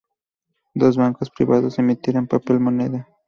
Dos bancos privados emitieron papel moneda.